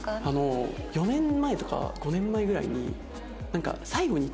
あの４年前とか５年前ぐらいになんか。